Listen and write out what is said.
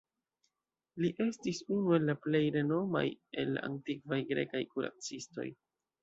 Li estis unu el la plej renomaj el la antikvaj grekaj kuracistoj.